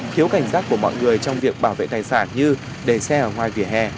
thiếu cảnh giác của mọi người trong việc bảo vệ tài sản như để xe ở ngoài vỉa hè